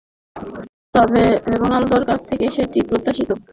তবে রোনালদোর কাছ থেকে সেটি প্রত্যাশিতই, গ্রিজমানের কাছ থেকে সম্ভবত অতটা নয়।